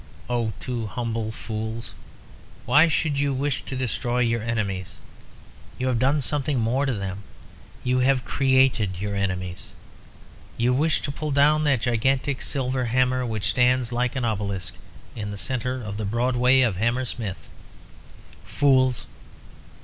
O too humble fools, why should you wish to destroy your enemies? You have done something more to them. You have created your enemies. You wish to pull down that gigantic silver hammer, which stands, like an obelisk, in the centre of the Broadway of Hammersmith. Fools!